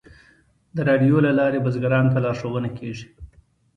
د راډیو له لارې بزګرانو ته لارښوونه کیږي.